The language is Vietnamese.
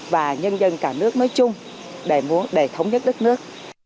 và nhân dân cả nước nói chung để thống nhất đất nước